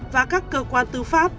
và các cơ quan tư pháp